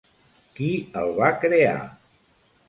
Qui el va crear?